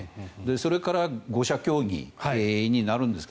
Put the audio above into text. それから５者協議になるんですが。